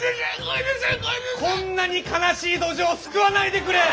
こんなに悲しいどじょうすくわないでくれ！